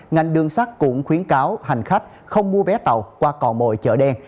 ngành đường sắt cũng khuyến cáo hành khách không mua vé tàu qua cò mồi chợ đen